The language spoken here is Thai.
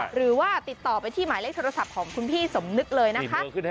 หรือว่าติดต่อไปที่หมายเลขโทรศัพท์ของคุณพี่สมนึกเลยนะคะ